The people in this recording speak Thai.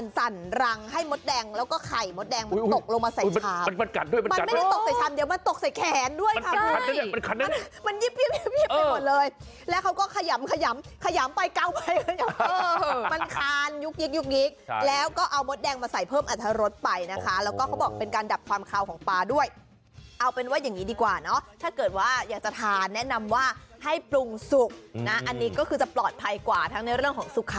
สั่นรังให้มดแดงแล้วก็ไข่มดแดงตกลงมาใส่ชาม